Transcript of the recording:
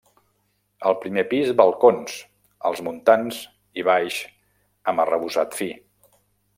Al primer pis balcons, els muntants i baix amb arrebossat fi.